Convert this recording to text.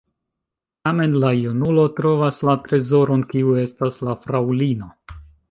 Tamen la junulo trovas la trezoron, kiu estas la fraŭlino.